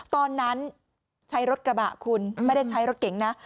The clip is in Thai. ตอนนั้นใช้รถกระบะคุณไม่ได้ใช้รถเก๋งนะ